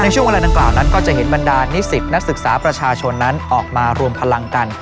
ช่วงเวลาดังกล่าวนั้นก็จะเห็นบรรดานิสิตนักศึกษาประชาชนนั้นออกมารวมพลังกัน